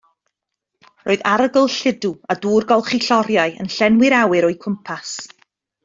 Roedd arogl lludw a dŵr golchi lloriau yn llenwi'r awyr o'u cwmpas.